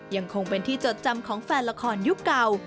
ยังคงเป็นที่จดจำของแฟนละครยุคเก่า